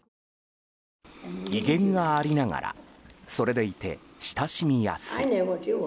威厳がありながらそれでいて親しみやすい。